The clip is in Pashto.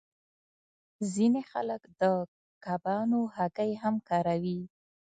ځینې خلک د کبانو هګۍ هم کاروي